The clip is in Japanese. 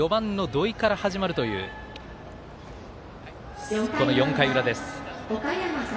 ４番の土井から始まるという４回の裏です。